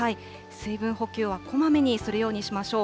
水分補給はこまめにするようにしましょう。